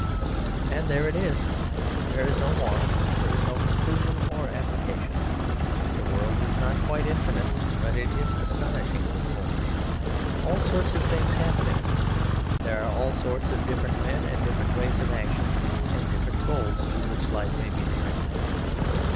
And there it is. There is no moral; there is no conclusion or application. The world is not quite infinite but it is astonishingly full. All sorts of things happen in it. There are all sorts of different men and different ways of action, and different goals to which life may be directed.